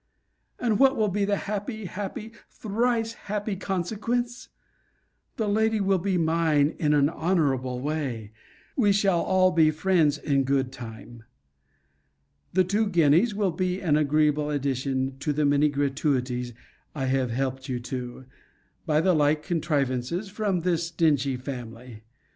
And what will be the happy, happy, thrice happy consequence? The lady will be mine in an honourable way, we shall all be friends in good time. The two guineas will be an agreeable addition to the many gratuities I have helped you to, by the like contrivances, from this stingy family.